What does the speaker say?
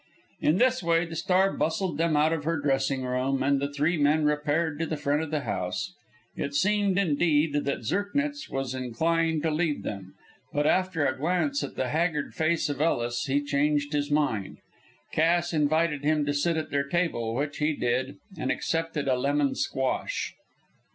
In this way the star bustled them out of her dressing room, and the three men repaired to the front of the house. It seemed, indeed, that Zirknitz was inclined to leave them, but after a glance at the haggard face of Ellis he changed his mind. Cass invited him to sit at their table, which he did, and accepted a lemon squash.